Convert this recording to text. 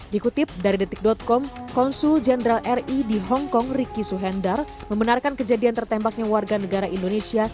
dikutip dari detik com konsul jenderal ri di hongkong ricky suhendar membenarkan kejadian tertembaknya warga negara indonesia